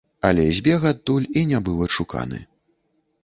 Але збег адтуль і не быў адшуканы.